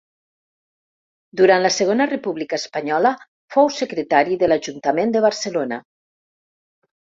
Durant la Segona República Espanyola fou secretari de l'ajuntament de Barcelona.